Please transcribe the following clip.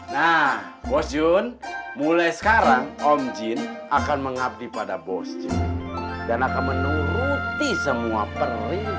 nah bos jun mulai sekarang om jin akan mengabdi pada bos jun dan akan menuruti semua perih